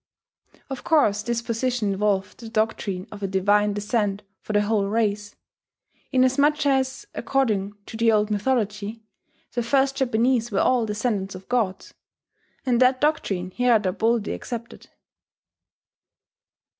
Of course this position involved the doctrine of a divine descent for the whole race, inasmuch as, according to the old mythology, the first Japanese were all descendants of gods, and that doctrine Hirata boldly accepted.